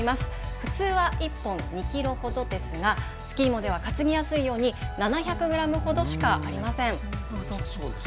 普通は１本２キロほどですがスキーモでは担ぎやすいように７００グラムほどしかありません。